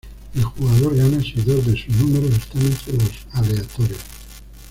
El jugador gana si dos de sus números están entre los aleatorios.